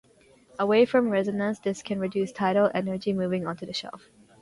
Away from resonance this can reduce tidal energy moving onto the shelf.